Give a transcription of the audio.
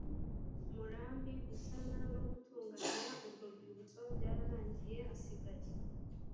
murambi gusana no gutunganya urwo rwibutso byararangiye hasigaye